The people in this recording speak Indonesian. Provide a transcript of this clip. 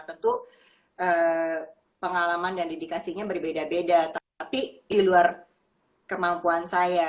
tentu pengalaman dan dedikasinya berbeda beda tapi di luar kemampuan saya